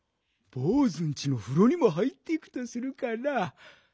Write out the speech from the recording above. ぼうずんちのふろにも入っていくとするかな？